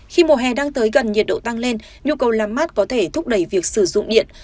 khi mùa hè đang tới gần nhiệt độ tăng lên nhu cầu làm mát có thể thúc đẩy việc sử dụng điện